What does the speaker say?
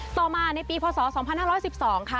ต่อมาในปีพศ๒๕๑๒ค่ะ